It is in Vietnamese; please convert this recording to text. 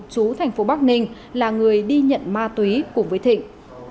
chú thành phố bắc ninh là người đi nhận ma túy cùng với thịnh